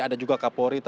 ada juga kapolri